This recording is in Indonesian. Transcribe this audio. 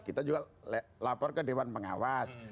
kita juga lapor ke dewan pengawas